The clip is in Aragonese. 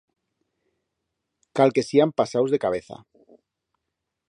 Cal que sían pasaus de cabeza.